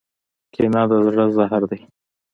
کینه د زړه زهر دی.